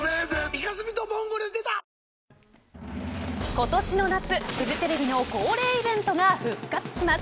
今年の夏、フジテレビの恒例イベントが復活します。